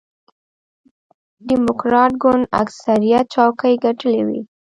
ډیموکراټ ګوند اکثریت څوکۍ ګټلې وې.